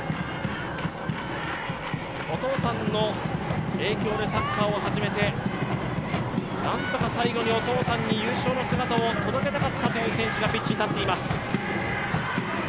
お父さんの影響でサッカーを始めて何とか最後にお父さんに優勝の姿を届けたかったという選手がピッチに立っています。